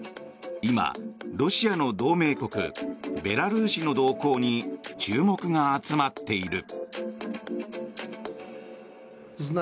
今、ロシアの同盟国ベラルーシの動向に注目が集まっている。